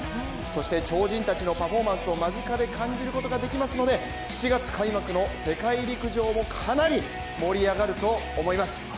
そして、超人たちのパフォーマンスを間近で感じることができますので７月開幕の世界陸上もかなり盛り上がると思います。